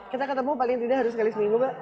kita ketemu paling tidak harus sekali seminggu mbak